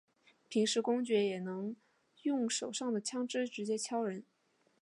平时公爵也能用手上的枪枝直接敲人。